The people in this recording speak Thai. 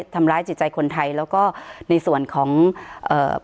ทำร้ายจิตใจคนไทยแล้วก็ในส่วนของเอ่อ